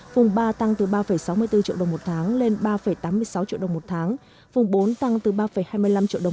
vùng ba tăng từ ba sáu mươi bốn triệu đồng một tháng lên ba tám mươi sáu triệu đồng một tháng vùng bốn tăng từ ba hai mươi năm triệu đồng